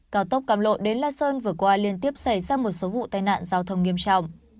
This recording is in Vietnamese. cao tốc càm lộ đến la sơn vừa qua liên tiếp xảy ra một số vụ tai nạn giao thông nghiêm trọng